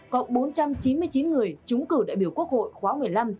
có bốn trăm chín mươi chín người trúng cử đại biểu quốc hội khoáng một mươi năm